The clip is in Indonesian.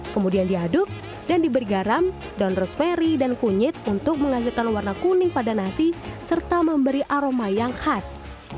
kemudian diaduk dan diberi garam daun rosemary dan kunyit untuk menghasilkan warna kuning pada nasi serta memberi aroma yang khas